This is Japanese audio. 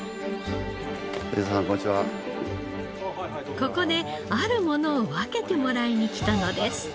ここであるものを分けてもらいに来たのです。